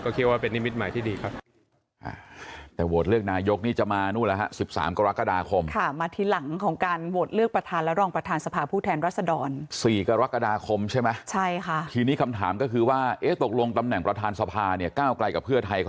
คิดว่าเป็นนิมิตหมายที่ดีครับ